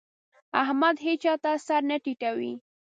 احمد هيچا ته سر نه ټيټوي.